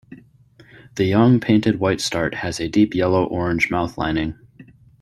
The young painted whitestart has a deep yellow-orange mouth lining.